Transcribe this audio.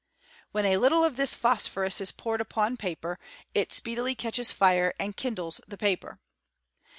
When a little of this phosphorus is poured upon paper, it speedily catches fire and kindles the paper.